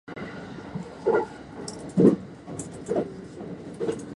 めんどい